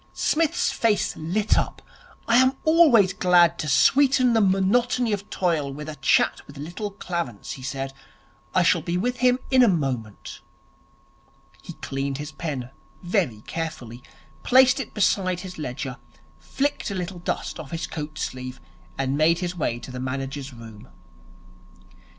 Psmith's face lit up. 'I am always glad to sweeten the monotony of toil with a chat with Little Clarence,' he said. 'I shall be with him in a moment.' He cleaned his pen very carefully, placed it beside his ledger, flicked a little dust off his coatsleeve, and made his way to the manager's room.